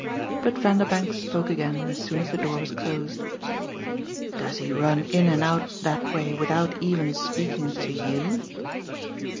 But Vanderbank spoke again as soon as the door was closed. "Does he run in and out that way without even speaking to YOU?"